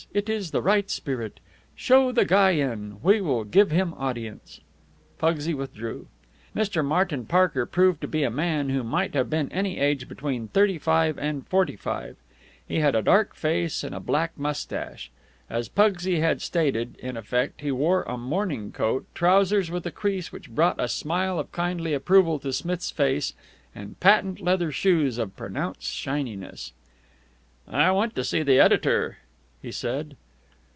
It is the right spirit. Show the guy in. We will give him audience." Pugsy withdrew. Mr. Martin Parker proved to be a man who might have been any age between thirty five and forty five. He had a dark face and a black mustache. As Pugsy had stated, in effect, he wore a morning coat, trousers with a crease which brought a smile of kindly approval to Smith's face, and patent leather shoes of pronounced shininess. "I want to see the editor," he said.